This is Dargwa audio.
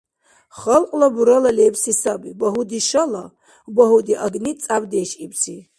Халкьла бурала лебси саби «Багьуди — шала, багьуди агни — цӀябдеш» ибси.